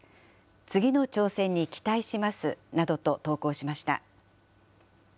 次の挑戦に期待しますなどと投稿しました。